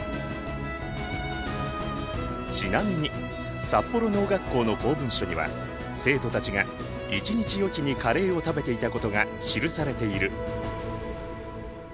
ちなみに札幌農学校の公文書には生徒たちが１日おきにカレーを食べていたことが記されている。